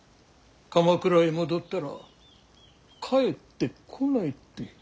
鎌倉へ戻ったら帰ってこないって。